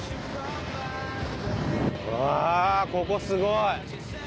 わあここすごい。